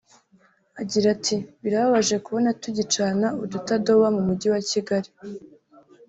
Agira ati “Birababaje kubona tugicana udutadowa mu mujyi wa Kigali